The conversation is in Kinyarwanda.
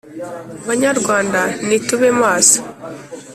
banyarwanda nitube maso